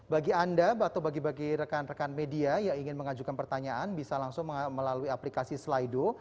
bagi anda atau bagi bagi rekan rekan media yang ingin mengajukan pertanyaan bisa langsung melalui aplikasi slido